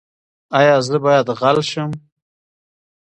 ایا زه باید غل شم؟